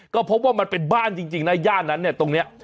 ก็พบว่ามันเป็นบ้านจริงนะย่านนั้นเนี่ยตรงนี้